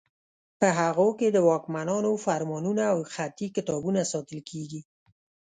په هغو کې د واکمنانو فرمانونه او خطي کتابونه ساتل کیږي.